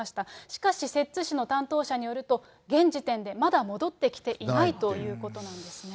しかし摂津市の担当者によると、現時点でまだ戻ってきていないということなんですね。